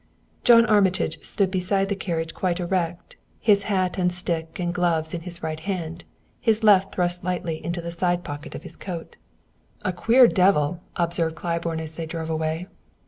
John Armitage stood beside the carriage quite erect, his hat and stick and gloves in his right hand, his left thrust lightly into the side pocket of his coat. "A queer devil," observed Claiborne, as they drove away.